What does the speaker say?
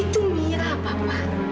itu mira papa